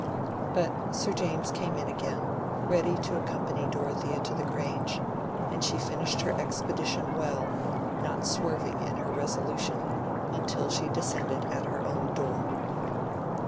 But Sir James came in again, ready to accompany Dorothea to the Grange, and she finished her expedition well, not swerving in her resolution until she descended at her own door.